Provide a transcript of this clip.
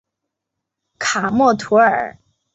卡默图尔。